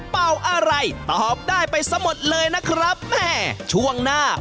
เดี๋ยวบอลแปลอีกทีนะ